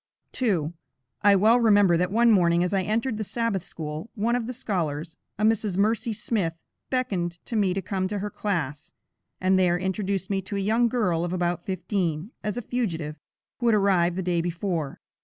2. I well remember that one morning as I entered the Sabbath school,[A] one of the scholars, a Mrs. Mercy Smith, beckoned to me to come to her class, and there introduced to me a young girl of about fifteen, as a fugitive, who had arrived the day before.